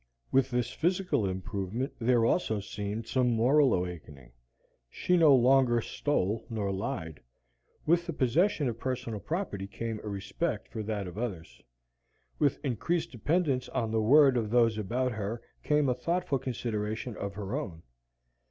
With this physical improvement there also seemed some moral awakening. She no longer stole nor lied. With the possession of personal property came a respect for that of others. With increased dependence on the word of those about her came a thoughtful consideration of her own.